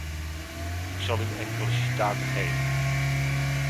Ik zal u enkele citaten geven.